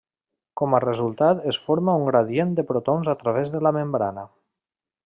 Com a resultat es forma un gradient de protons a través de la membrana.